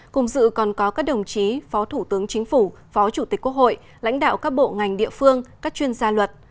cùng dự còn có các đồng chí phó thủ tướng chính phủ phó chủ tịch quốc hội lãnh đạo các bộ ngành địa phương các chuyên gia luật